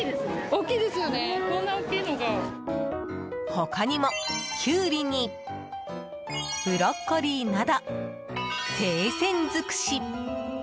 他にも、キュウリにブロッコリーなど生鮮づくし。